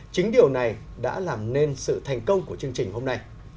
chính điều này đã làm nên sự thành công của chương trình hôm nay